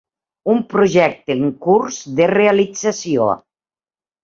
Un projecte en curs de realització.